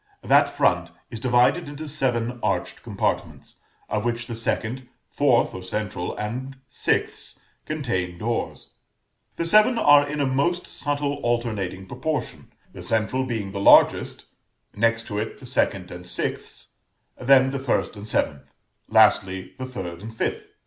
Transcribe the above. That front is divided into seven arched compartments, of which the second, fourth or central, and sixth contain doors; the seven are in a most subtle alternating proportion; the central being the largest, next to it the second and sixth, then the first and seventh, lastly the third and fifth.